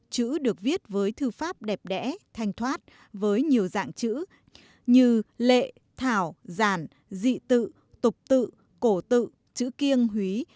chữ được viết với thư pháp đẹp đẽ thanh thoát với nhiều dạng chữ như lệ thảo giản dị tự tục tự cổ tự chữ kiêng húy